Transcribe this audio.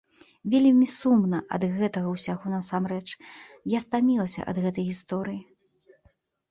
Вельмі сумна ад гэтага ўсяго насамрэч, я стамілася ад гэтай гісторыі.